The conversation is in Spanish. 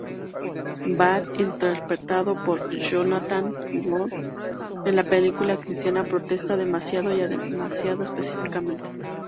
Bart, interpretado por Jonathan Groff en la película cristiana, protesta demasiado, y demasiado específicamente.